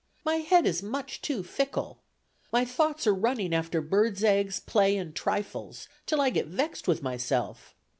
My head is much too fickle. My thoughts are running after birds' eggs, play and trifles, till I get vexed with myself.